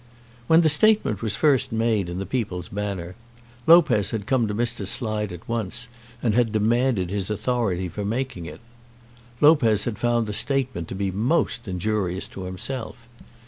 When the statement was first made in the "People's Banner," Lopez had come to Mr. Slide at once and had demanded his authority for making it. Lopez had found the statement to be most injurious to himself.